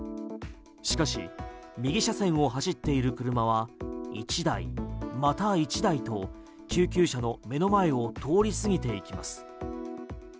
右車線を走っている車は１台、また１台と救急車の目の前を通り過ぎていきます。